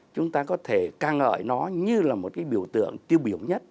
chúng ta có thể căng ợi nó như là một cái biểu tượng tiêu biểu nhất